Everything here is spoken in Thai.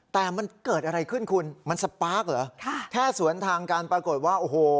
แต่มันเกิดอะไรขึ้นคุณมันสปาร์คเหรอค่ะแค่สวนทางกันปรากฏว่าโอ้โห